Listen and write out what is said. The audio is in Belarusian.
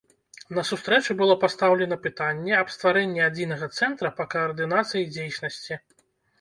На сустрэчы было пастаўлена пытанне аб стварэнні адзінага цэнтра па каардынацыі дзейнасці.